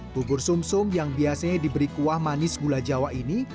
bubur sum sum yang biasanya diberi kuah manis gula jawa ini